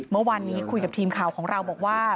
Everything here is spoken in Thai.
เมื่อวานนี้คุยกับทีมข่าวของเราบอกว่า